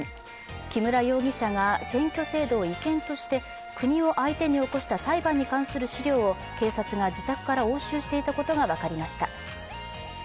木村容疑者が選挙制度を違憲として国を相手に起こした裁判に関する資料を警察が自宅から押収していたことが分かりました。